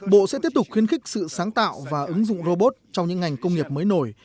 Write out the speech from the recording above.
bộ sẽ tiếp tục khuyến khích sự sáng tạo và ứng dụng robot trong những ngành công nghiệp mới nổi